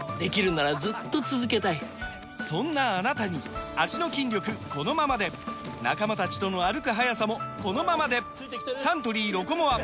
そんなあなたに脚の筋力このままで仲間たちとの歩く速さもこのままでサントリー「ロコモア」！